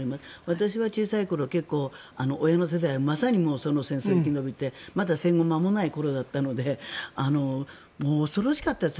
私は小さい頃、結構、親の世代まさにその戦争を生き延びてまだ戦後まもない頃だったので恐ろしかったです。